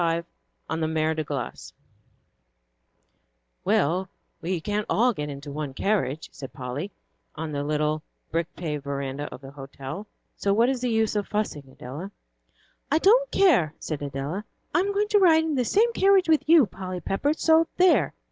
XXV ON THE MER DE GLACE "Well, we can't all get into one carriage," said Polly, on the little brick paved veranda of the hotel, "so what is the use of fussing, Adela?" "I don't care," said Adela, "I'm going to ride in the same carriage with you, Polly Pepper, so there!"